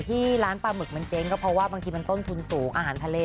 ที่ร้านปลาหมึกมันเจ๊งก็เพราะว่าบางทีมันต้นทุนสูงอาหารทะเล